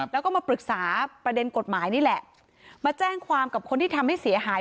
แล้วก็มาปรึกษาประเด็นกฎหมายนี่แหละมาแจ้งความกับคนที่ทำให้เสียหาย